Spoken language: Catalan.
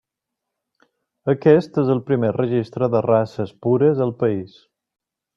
Aquest és el primer registre de races pures al país.